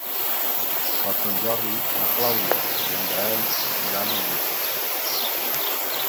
Per Sant Jordi na Clàudia i en Gaël iran al metge.